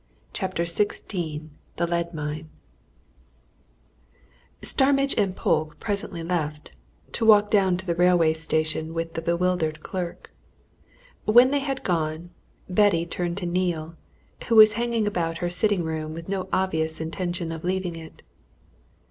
CHAPTER XVI THE LEAD MINE Starmidge and Polke presently left to walk down to the railway station with the bewildered clerk; when they had gone, Betty turned to Neale, who was hanging about her sitting room with no obvious intention of leaving it.